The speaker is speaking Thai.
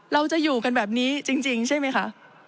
เราจะอยู่กันแบบนี้จริงใช่ไหมคะ